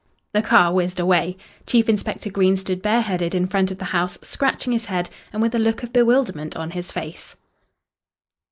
The car whizzed away. Chief Inspector Green stood bare headed in front of the house, scratching his head, and with a look of bewilderment on his face.